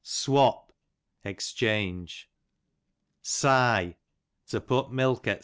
Swop, exchange. Sye, to put milk, ^c.